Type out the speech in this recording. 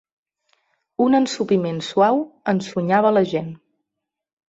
Un ensopiment suau ensonyava la gent.